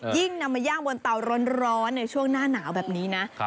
ยิ่งนำมาย่างบนเตาร้อนในช่วงหน้าหนาวแบบนี้นะ